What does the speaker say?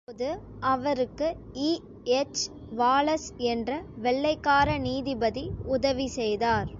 அப்போது அவருக்கு இ.எச்.வாலஸ் என்ற வெள்ளைக்கார நீதிபதி உதவி செய்தார்.